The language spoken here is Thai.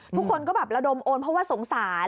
ทุกคนก็แบบระดมโอนเพราะว่าสงสาร